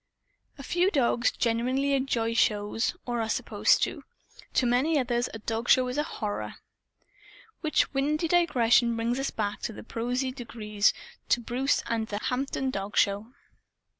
A few dogs genuinely enjoy shows or are supposed to. To many others a dogshow is a horror. Which windy digression brings us back by prosy degrees to Bruce and to the Hampton dogshow.